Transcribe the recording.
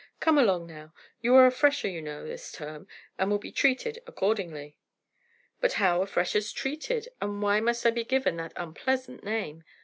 Come along now; you are a fresher, you know, this term, and will be treated accordingly." "But how are freshers treated, and why must I be given that unpleasant name?"